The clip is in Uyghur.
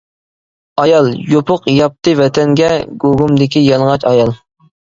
ئايال، يوپۇق ياپتى ۋەتەنگە، گۇگۇمدىكى يالىڭاچ ئايال.